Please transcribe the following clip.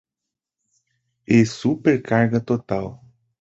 E super carga total